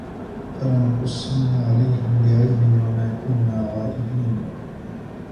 فلنقصن عليهم بعلم وما كنا غائبين